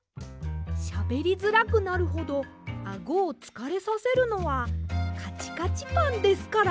しゃべりづらくなるほどあごをつかれさせるのはかちかちパンですから。